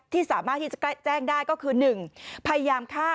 สามารถที่จะแจ้งได้ก็คือ๑พยายามฆ่า